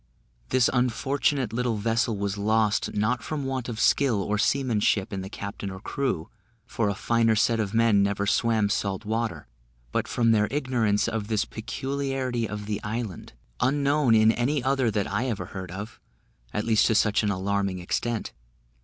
This unfortunate little vessel was lost, not from want of skill or seamanship in the captain or crew, for a finer set of men never swam salt water; but from their ignorance of this peculiarity of the island, unknown in any other that I ever heard of, at least to such an alarming extent.